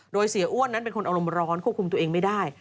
โดยเสียอ้วนนั้นเป็นคนอารมณ์ร้อนควบคุมตัวเองไม่ได้